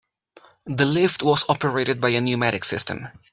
The lift was operated by a pneumatic system.